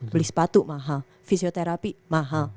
beli sepatu mahal fisioterapi mahal